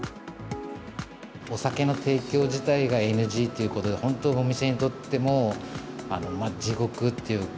お酒の提供自体がＮＧということで、本当、お店にとっても地獄っていうか。